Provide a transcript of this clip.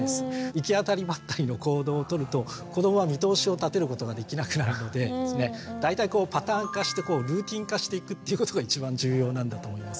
行き当たりばったりの行動を取ると子どもは見通しを立てることができなくなるのでですね大体パターン化してルーティーン化していくっていうことが一番重要なんだと思います。